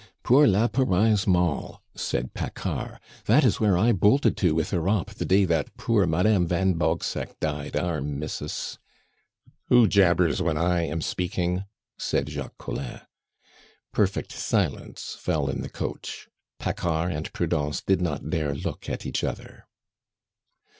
"Poor la Pouraille's moll," said Paccard. "That is where I bolted to with Europe the day that poor Madame van Bogseck died, our mis'ess." "Who jabbers when I am speaking?" said Jacques Collin. Perfect silence fell in the coach. Paccard and Prudence did not dare look at each other.